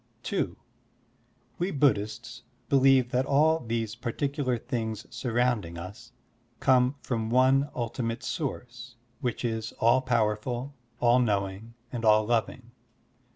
(2) We Buddhists believe that all these par ticular things surrounding us come from one ultimate source which is all powerful, all knowing, and all loving.